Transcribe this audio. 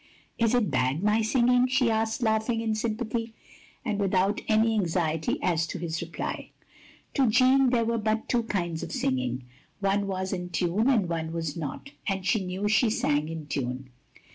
*'Is it bad, my singing?" she asked, laughing OF GROS\^NOR SQUARE 203 in sympathy, and without any anxiety as to his reply. To Jeanne there were but two kinds of singing. One was in tune, and one was not; and she knew she sang in tune.